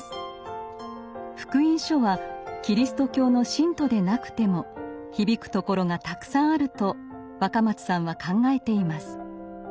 「福音書」はキリスト教の信徒でなくても響くところがたくさんあると若松さんは考えています。